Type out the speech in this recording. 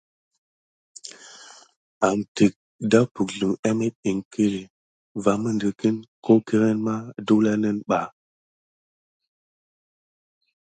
Amteke dà pukzlumo émet iŋkle va midikine ho kirni mà delulani ba va midikiba.